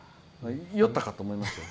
酔ったかと思いますよ。